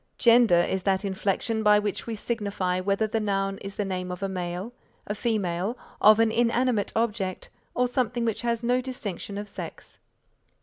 Gender is that inflection by which we signify whether the noun is the name of a male, a female, of an inanimate object or something which has no distinction of sex.